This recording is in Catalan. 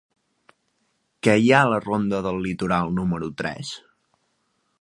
Què hi ha a la ronda del Litoral número tres?